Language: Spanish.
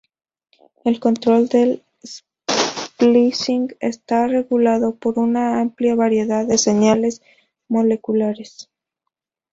El control del splicing está regulado por una amplia variedad de señales moleculares.